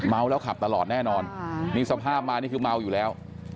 เมาแล้วขับตลอดแน่นอนนี่สภาพมานี่คือเมาอยู่แล้ว